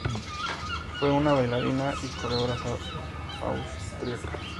Fue una bailarina y coreógrafa austriaca.